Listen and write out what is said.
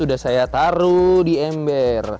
udah saya taruh di ember